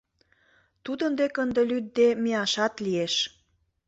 Тудын дек ынде лӱдде мияшат лиеш.